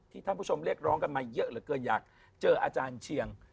ท่านผู้ชมเรียกร้องกันมาเยอะเหลือเกินอยากเจออาจารย์เชียง